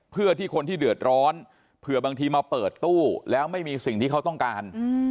เพื่อที่คนที่เดือดร้อนเผื่อบางทีมาเปิดตู้แล้วไม่มีสิ่งที่เขาต้องการ